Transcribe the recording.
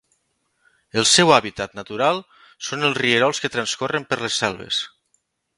El seu hàbitat natural són els rierols que transcorren per les selves.